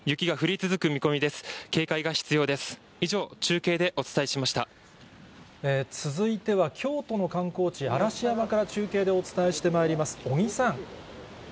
続いては、京都の観光地、嵐山から中継でお伝えしてまいります。